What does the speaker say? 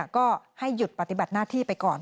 ก็ให้หยุดปฏิบัติหน้าที่ไปก่อน